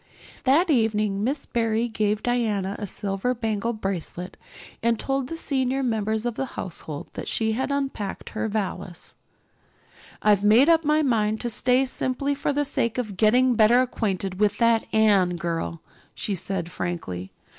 That evening Miss Barry gave Diana a silver bangle bracelet and told the senior members of the household that she had unpacked her valise. "I've made up my mind to stay simply for the sake of getting better acquainted with that Anne girl," she said frankly.